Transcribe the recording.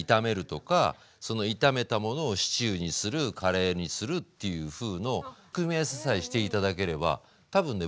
その炒めたものをシチューにするカレーにするっていうふうの組み合わせさえして頂ければ多分ね